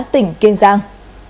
tỉnh kê giang